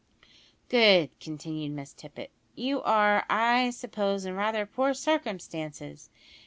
"Good," continued Miss Tippet. "You are, I suppose, in rather poor circumstances.